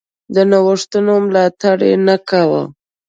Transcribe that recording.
د نوښتونو ملاتړ یې نه کاوه.